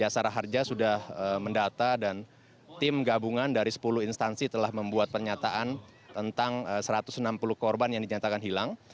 sara harja sudah mendata dan tim gabungan dari sepuluh instansi telah membuat pernyataan tentang satu ratus enam puluh korban yang dinyatakan hilang